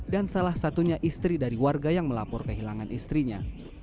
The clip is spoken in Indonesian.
dan salah satunya istri dari warga yang melapor kehilangan istrinya